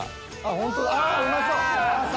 うまそう！